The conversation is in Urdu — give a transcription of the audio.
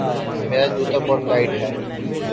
میرا جوتا بہت ٹائٹ ہے